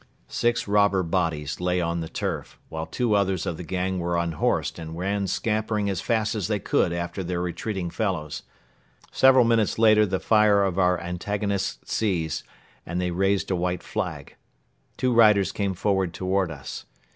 Six robber bodies lay on the turf, while two others of the gang were unhorsed and ran scampering as fast as they could after their retreating fellows. Several minutes later the fire of our antagonists ceased and they raised a white flag. Two riders came forward toward us.